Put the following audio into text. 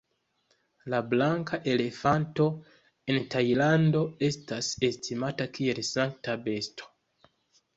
La blanka elefanto en Tajlando estas estimata kiel sankta besto.